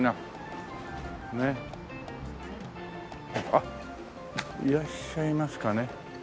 あっいらっしゃいますかね。